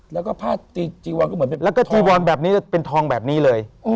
แล้วก็ผ้าจีวอนก็เหมือนแล้วก็จีวอนแบบนี้จะเป็นทองแบบนี้เลย